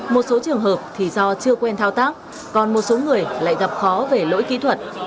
một số trường hợp thì do chưa quen thao tác còn một số người lại gặp khó về lỗi kỹ thuật